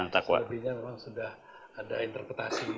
takwarinya memang sudah ada interpretasi